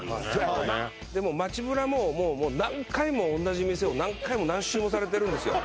もうねでもう街ブラももうもう何回も同じ店を何回も何周もされてるんですよ